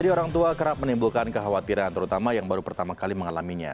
jadi orang tua kerap menimbulkan kekhawatiran terutama yang baru pertama kali mengalaminya